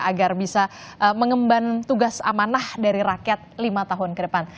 agar bisa mengemban tugas amanah dari rakyat lima tahun ke depan